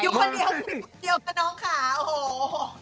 อยู่คนเดียวกับน้องขาว